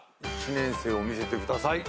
１年生を見せてください。